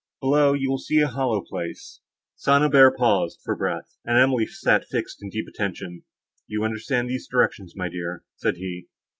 Below, you will see a hollow place." St. Aubert paused for breath, and Emily sat fixed in deep attention. "Do you understand these directions, my dear?" said he.